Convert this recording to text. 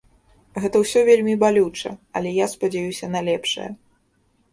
Гэта ўсё вельмі балюча, але я спадзяюся на лепшае.